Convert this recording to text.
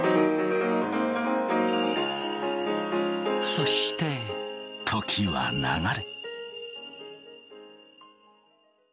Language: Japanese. そして時は流れ。